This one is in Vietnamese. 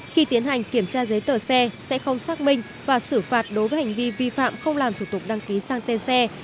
khi tiến hành kiểm tra giấy tờ xe sẽ không xác minh và xử phạt đối với hành vi vi phạm không làm thủ tục đăng ký sang tên xe